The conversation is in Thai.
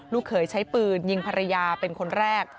เขยใช้ปืนยิงภรรยาเป็นคนแรก